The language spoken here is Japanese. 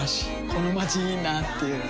このまちいいなぁっていう